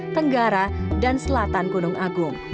tenggara dan selatan gunung agung